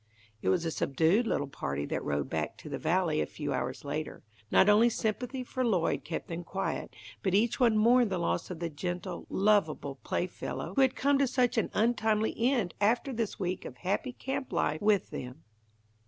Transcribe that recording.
It was a subdued little party that rode back to the Valley, a few hours later. Not only sympathy for Lloyd kept them quiet, but each one mourned the loss of the gentle, lovable playfellow who had come to such an untimely end after this week of happy camp life with them.